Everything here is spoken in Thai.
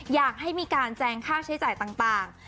อยากให้มีการแจงค่าใช้จ่ายต่าง